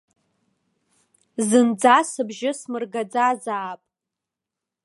Зынӡа сыбжьы смыргаӡазаап.